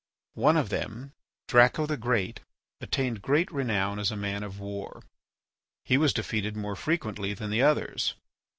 One of them, Draco the Great, attained great renown as a man of war. He was defeated more frequently than the others.